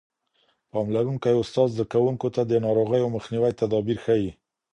پاملرونکی استاد زده کوونکو ته د ناروغیو مخنیوي تدابیر ښيي.